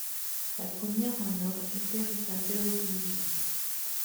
La première, au Nord, était réservée aux religieux.